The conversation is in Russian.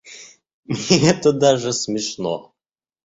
Мне это даже смешно.